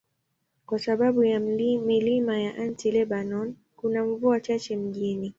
Kwa sababu ya milima ya Anti-Lebanon, kuna mvua chache mjini.